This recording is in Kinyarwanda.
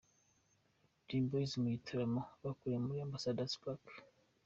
Dream Boys mu gitaramo bakoreye muri Ambassador's Park.